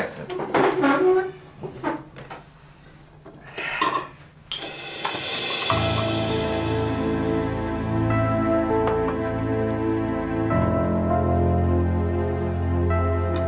terima kasih mas